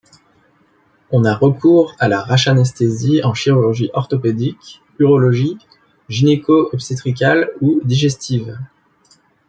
On a recours à la rachianesthésie en chirurgie orthopédique, urologique, gynéco-obstétricale ou digestive.